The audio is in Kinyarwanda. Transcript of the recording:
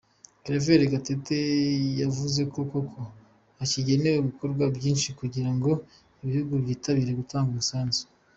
Claver Gatete, yavuze ko ko hagikenewe gukorwa byinshi kugira ngo ibihugu byitabire gutanga umusanzu.